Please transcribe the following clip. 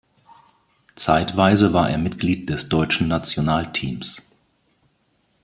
Zeitweise war er Mitglied des deutschen Nationalteams.